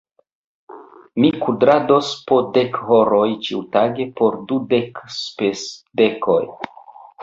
Mi kudrados po dek horoj ĉiutage por dudek spesdekoj.